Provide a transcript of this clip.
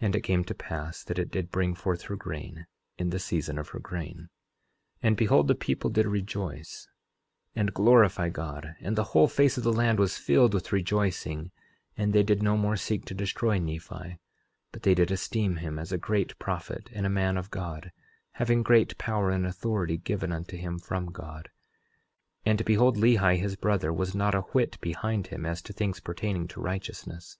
And it came to pass that it did bring forth her grain in the season of her grain. 11:18 And behold, the people did rejoice and glorify God, and the whole face of the land was filled with rejoicing; and they did no more seek to destroy Nephi, but they did esteem him as a great prophet, and a man of God, having great power and authority given unto him from God. 11:19 And behold, Lehi, his brother, was not a whit behind him as to things pertaining to righteousness.